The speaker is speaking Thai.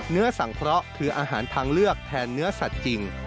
เนื้อสังเคราะห์คืออาหารทางเลือกแทนเนื้อสัตว์จริง